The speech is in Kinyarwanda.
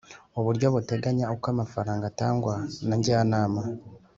Uburyo buteganya uko amafaranga atangwa na njyanama